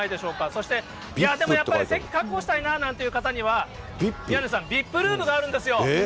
そしてやっぱり席確保したいなという方には、宮根さん、ＶＩＰルームがあるんですよ。